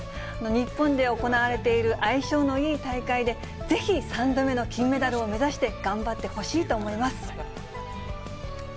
日本で行われている、相性のいい大会で、ぜひ３度目の金メダルを目指して、頑張ってほしいと思います。